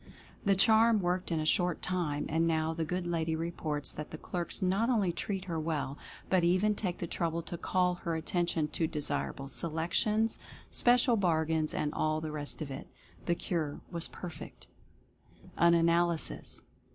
The charm worked in a short time, and now the good lady reports that the clerks not only treat her well but even take the trouble to call her at tention to desirable selections, special bargains, and all the rest of it. The cure was perfect. AN ANALYSIS.